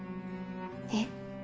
えっ？